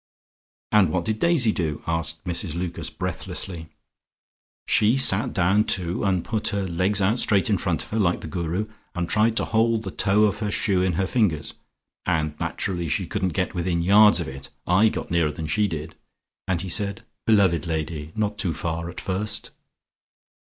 "And what did Daisy do?" asked Mrs Lucas breathlessly. "She sat down too, and put her legs out straight in front of her like the Guru, and tried to hold the toe of her shoe in her fingers, and naturally she couldn't get within yards of it. I got nearer than she did. And he said, 'Beloved lady, not too far at first.'"